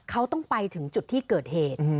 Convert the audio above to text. เขาต้องไปถึงจุดที่เกิดเหตุ